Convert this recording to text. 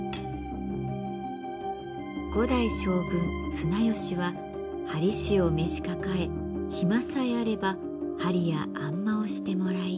５代将軍綱吉は鍼師を召し抱え暇さえあれば鍼やあん摩をしてもらい。